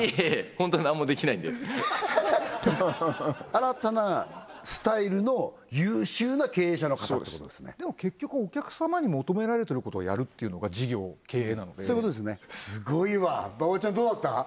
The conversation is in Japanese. ホントに何もできないんで新たなスタイルの優秀な経営者の方ってことですね結局お客様に求められてることをやるっていうのが事業経営なのでそういうことですねすっごいわ馬場ちゃんどうだった？